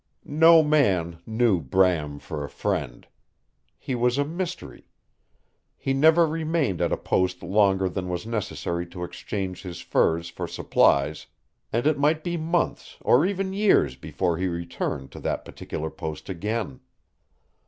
No man knew Bram for a friend. He was a mystery. He never remained at a post longer than was necessary to exchange his furs for supplies, and it might be months or even years before he returned to that particular post again.